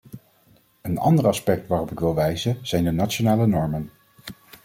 Een ander aspect waarop ik wil wijzen zijn de nationale normen.